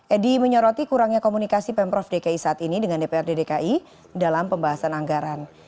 edi menyoroti kurangnya komunikasi pemprov dki saat ini dengan dprd dki dalam pembahasan anggaran